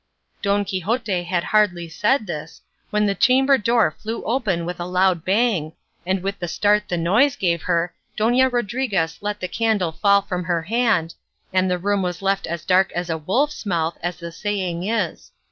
Don Quixote had hardly said this, when the chamber door flew open with a loud bang, and with the start the noise gave her Dona Rodriguez let the candle fall from her hand, and the room was left as dark as a wolf's mouth, as the saying is.